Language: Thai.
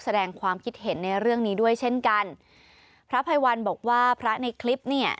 แสดงความคิดเห็นในเรื่องนี้ด้วยเช่นกันพระภัยวันบอกว่าพระในคลิปเนี่ย